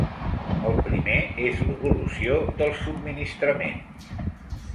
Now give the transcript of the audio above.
El primer és l’evolució dels subministraments.